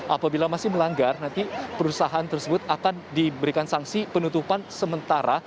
apabila masih melanggar nanti perusahaan tersebut akan diberikan sanksi penutupan sementara